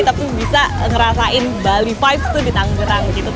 tapi bisa ngerasain bali vibes tuh di tanggerang gitu